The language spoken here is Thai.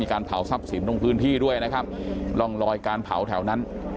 การเผาทรัพย์สินตรงพื้นที่ด้วยนะครับร่องรอยการเผาแถวนั้น